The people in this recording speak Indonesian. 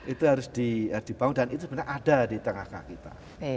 itu harus dibangun dan itu sebenarnya ada di tengah tengah kita